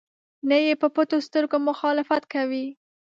نه یې په پټو سترګو مخالفت کوي.